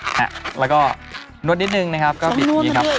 แหนมแล้วก็นวดนิดหนึ่งก็ปริดดีครับ